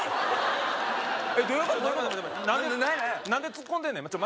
何でツッコんでんねんちょ